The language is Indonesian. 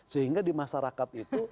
sehingga di masyarakat itu